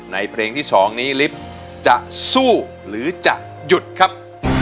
เพลงที่๒นี้ลิฟต์จะสู้หรือจะหยุดครับ